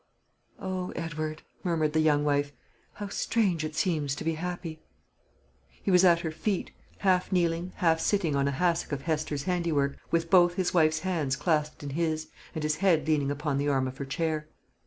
"O Edward!" murmured the young wife, "how strange it seems to be happy!" He was at her feet, half kneeling, half sitting on a hassock of Hester's handiwork, with both his wife's hands clasped in his, and his head leaning upon the arm of her chair.